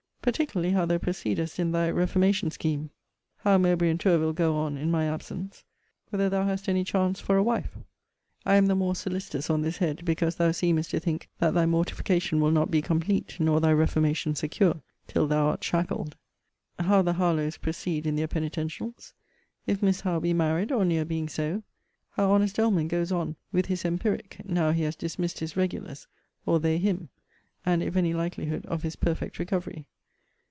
Particularly, how thou proceededst in thy reformation scheme; how Mowbray and Tourville go on in my absence; whether thou hast any chance for a wife; [I am the more solicitous on this head, because thou seemest to think that thy mortification will not be complete, nor thy reformation secure, till thou art shackled;] how the Harlowes proceed in their penitentials; if Miss Howe be married, or near being so; how honest Doleman goes on with his empiric, now he has dismissed his regulars, or they him; and if any likelihood of his perfect recovery.